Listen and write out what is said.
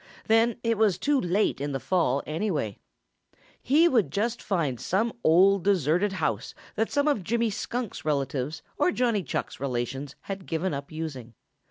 Then it was too late in the fall, anyway. He would just find some old, deserted house that some of Jimmy Skunk's relatives or Johnny Chuck's relations had given up using.